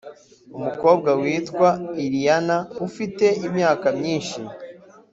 Umukobwa witwa Iliana ufite imyaka myinshi